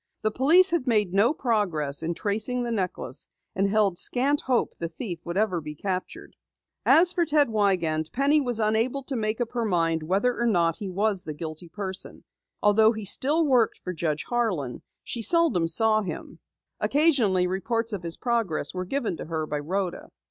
The police had made no progress in tracing the necklace and held scant hope the thief would be captured. As for Ted Wiegand, Penny was unable to make up her mind whether or not he was the guilty person. Although he still worked for Judge Harlan, she seldom saw him. Occasionally, reports of his progress were given to her by Rhoda.